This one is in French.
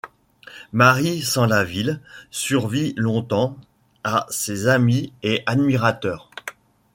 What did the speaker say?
Marie Sanlaville survit longtemps à ses amis et admirateurs.